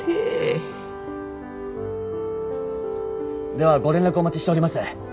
ではご連絡お待ちしております。